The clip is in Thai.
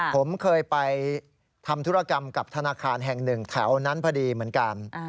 ผมเคยไปทำธุรกรรมกับธนาคารแห่งหนึ่งแถวนั้นพอดีเหมือนกัน